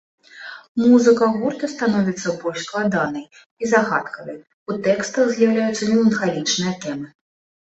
Музыка гурта становіцца больш складанай і загадкавай, у тэкстах з'яўляюцца меланхалічныя тэмы.